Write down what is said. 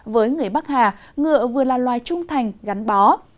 với người bắc hà ngựa vừa là loài trung thành gắn bó